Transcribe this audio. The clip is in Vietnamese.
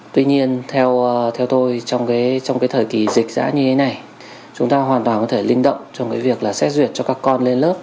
tuy nhiên theo tôi trong thời kỳ dịch giã như thế này chúng ta hoàn toàn có thể linh động trong việc xét duyệt cho các con lên lớp